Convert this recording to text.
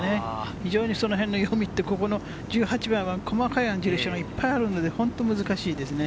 非常にその辺の読みって、ここの１８番は細かいアンジュレーションがいっぱいあるので本当に難しいですね。